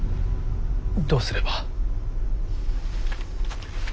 どうすれば。